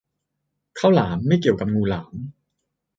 ข้าวหลาม ไม่เกี่ยวกับงูหลาม